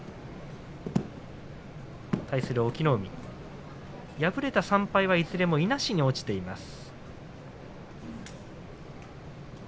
対する隠岐の海敗れた３敗はいずれもいなしに落ちています。